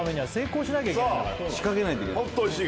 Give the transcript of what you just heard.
仕掛けないといけない